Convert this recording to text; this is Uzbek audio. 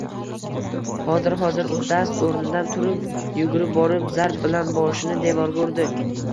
Hozir… Hozir!…» U dast o’rnidan turib, yugurib borib, zarb bilan boshini devorga urdi.